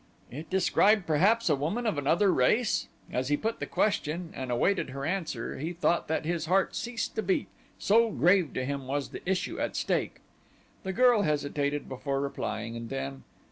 "It described, perhaps, a woman of another race?" As he put the question and awaited her answer he thought that his heart ceased to beat, so grave to him was the issue at stake. The girl hesitated before replying, and then.